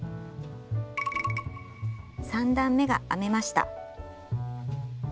３段めが編めました。